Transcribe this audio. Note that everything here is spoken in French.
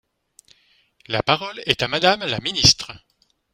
La parole est à Madame la ministre.